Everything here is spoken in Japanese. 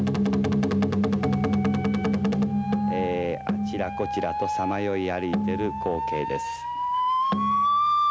あちらこちらとさまよい歩いてる光景です。